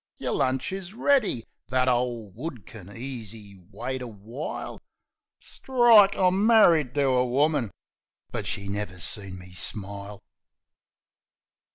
"Yer lunch is ready. That ole wood kin easy wait a while." Strike! I'm marri'd to a woman ... But she never seen me smile.